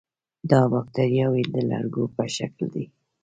دا باکتریاوې د لرګو په شکل دي.